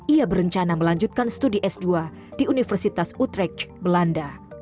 ia berencana melanjutkan studi s dua di universitas utrech belanda